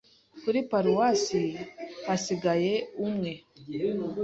kuri paruwasi hasigaye umwe